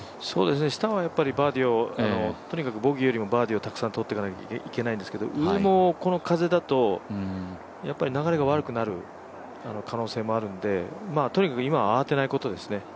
下はやっぱりバーディーを、とにかくボギーよりもバーディーをたくさんとっていかなきゃいけないんですけれども、上もこの風だと、やっぱり流れが悪くなる可能性もあるんで、とにかく今は慌てないことですね。